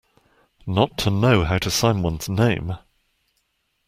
Not to know how to sign one's name.